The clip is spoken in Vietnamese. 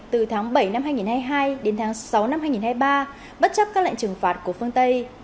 từ tháng bảy năm hai nghìn hai mươi hai đến tháng sáu năm hai nghìn hai mươi ba bất chấp các lệnh trừng phạt của phương tây